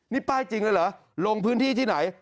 นี่ป้ายจริงเลยเหรอลงพื้นที่ที่ไหน